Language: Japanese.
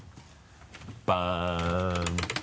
バン。